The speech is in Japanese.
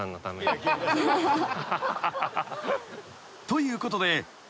［ということで］